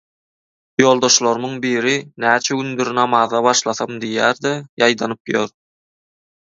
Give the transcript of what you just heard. Ýoldaşlarymyň biri näçe gündir namaza başlasam diýýär-de ýaýdanyp ýör.